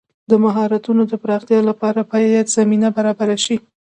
د مهارتونو د پراختیا لپاره باید زمینه برابره شي.